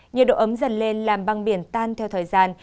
nhiệt độ ấm dần lên làm băng biển tan theo thời gian